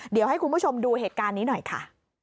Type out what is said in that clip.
เดี๋ยวให้คุณผู้ชมดูเหตุการณ์นี้หน่อยค่ะ